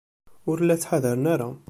Ur la ttḥadaren ara.